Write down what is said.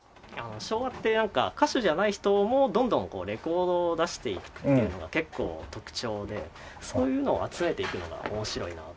昭和ってなんか歌手じゃない人もどんどんレコードを出していくっていうのが結構特徴でそういうのを集めていくのが面白いなと。